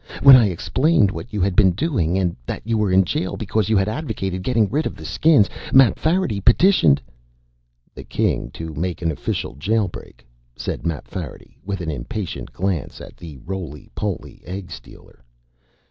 When I explained what you had been doing and that you were in jail because you had advocated getting rid of the Skins, Mapfarity petitioned...." "The King to make an official jail break," said Mapfarity with an impatient glance at the rolypoly egg stealer.